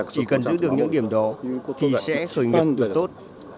chỉ cần giữ được những điểm đó thì sẽ sở nghiệp được tốt